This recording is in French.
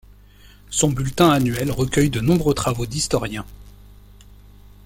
Son bulletin annuel recueille de nombreux travaux d'historiens.